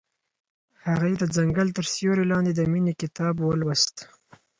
هغې د ځنګل تر سیوري لاندې د مینې کتاب ولوست.